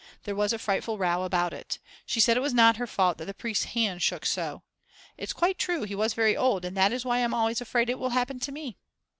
There was a frightful row about it. She said it was not her fault the priest's hand shook so. It's quite true, he was very old, and that is why I'm always afraid it will happen to me.